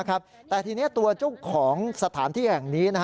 แต่ทีนี้ตัวเจ้าของสถานที่แห่งนี้